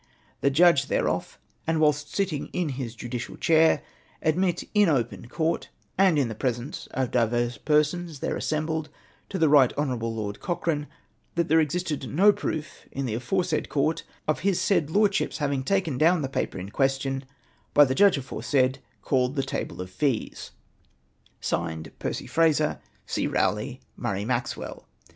the judge thereof, and whilst sitting in his judicial chair, admit in open Court, and in the presence of divers persons there assembled, to the Right Honourable Lord Cochrane that there existed no proof in the aforesaid court of his said Lordship's having taken down the paper in question, by the judge aforesaid called the table of fees. (Signed) Percy Fraser, C. Rowley, Murray Maxwell.'